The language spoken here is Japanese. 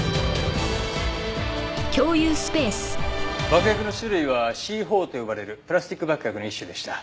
爆薬の種類はＣ−４と呼ばれるプラスチック爆薬の一種でした。